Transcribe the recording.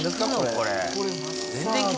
これ。